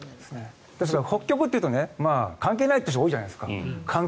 ですから、北極というと関係ないって人が多いじゃないですか。